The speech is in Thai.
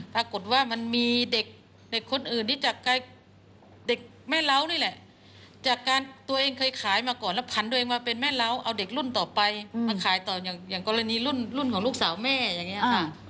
ปรากฏว่ามันมีเด็กคนอื่นที่จากเด็กแม่เล้านี่แหละจากการตัวเองเคยขายมาก่อนแล้วผันตัวเองมาเป็นแม่เล้าเอาเด็กรุ่นต่อไปมาขายต่ออย่างกรณีรุ่นของลูกสาวแม่อย่างนี้ค่ะ